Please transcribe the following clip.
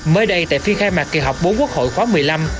mới đây tại phiên khai mạc kỳ họp bốn quốc hội khóa một mươi năm